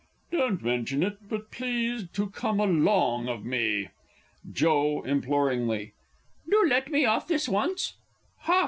Don't mention it but please to come "along of" me? Joe (imploringly). Do let me off this once, ha!